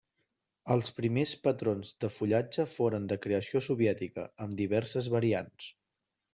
Els primers patrons de fullatge foren de creació soviètica, amb diverses variants.